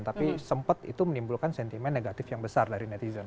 tapi sempat itu menimbulkan sentimen negatif yang besar dari netizen